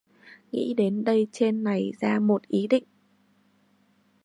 Nghĩ đến đây trên này ra một ý định